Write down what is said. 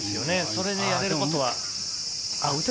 それでやれることは。